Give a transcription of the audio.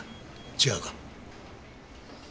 違うか？